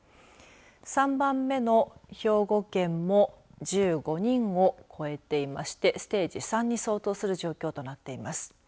３番目の兵庫県も１５人を超えていましてステージ３に相当する状況となっています。